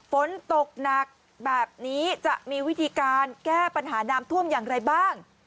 ฝนตกหนักแบบนี้จะมีวิธีการแก้ปัญหาน้ำท่วมอย่างไรบ้าง